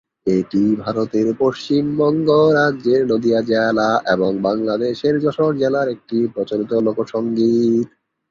এটি ভারতের পশ্চিমবঙ্গ রাজ্যের নদিয়া জেলা এবং বাংলাদেশের যশোর জেলার একটি প্রচলিত লোকসঙ্গীত।